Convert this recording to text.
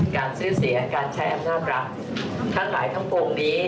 การซื้อเสียงการใช้อำนาจรัฐทั้งหลายทั้งปวงนี้